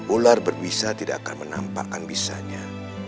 ular berbisa tidak akan menampakkan bisanya